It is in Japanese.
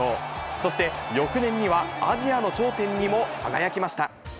そして翌年にはアジアの頂点にも輝きました。